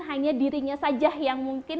hanya dirinya saja yang mungkin